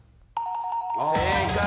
正解。